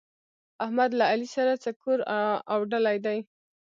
احمد له علي سره څه کور اوډلی دی؟!